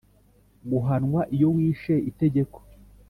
guhanwa iyo wishe itegeko